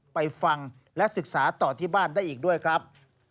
ไปฟังและศึกษาต่อที่บ้านได้อีกด้วยครับ